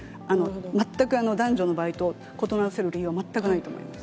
全く男女の場合と異ならせる理由は全くないと思います。